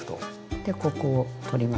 でここを取りますね。